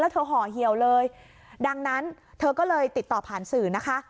เธอห่อเหี่ยวเลยดังนั้นเธอก็เลยติดต่อผ่านสื่อนะคะ